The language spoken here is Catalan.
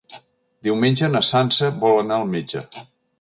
Diumenge na Sança vol anar al metge.